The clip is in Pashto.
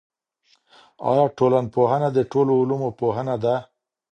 آیا ټولنپوهنه د ټولو علومو پوهنه ده؟